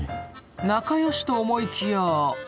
仲よしと思いきや。